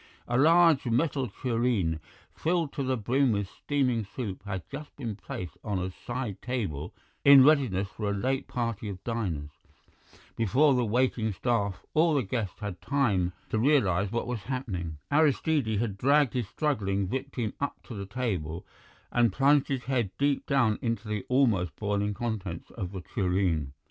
A large metal tureen, filled to the brim with steaming soup, had just been placed on a side table in readiness for a late party of diners; before the waiting staff or the guests had time to realize what was happening, Aristide had dragged his struggling victim up to the table and plunged his head deep down into the almost boiling contents of the tureen.